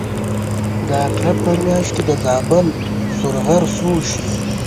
د عقرب په میاشت کې د زابل سور غر سوړ شي.